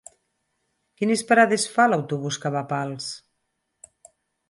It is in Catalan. Quines parades fa l'autobús que va a Pals?